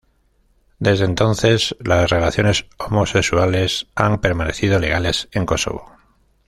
Desde entonces, las relaciones homosexuales han permanecido legales en Kosovo.